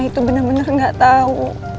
iya ibu benar benar berhutang dengan ibu